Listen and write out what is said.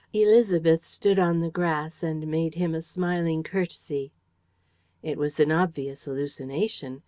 Élisabeth stood on the grass and made him a smiling curtsey. It was an obvious hallucination.